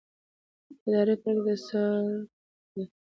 اداري پرېکړه د څار وړ ده.